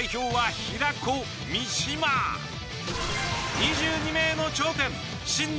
２２名の頂点新年